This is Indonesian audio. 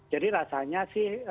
jadi rasanya sih